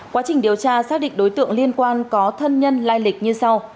quá trình điều tra xác định đối tượng liên quan có thân nhân lai lịch như sau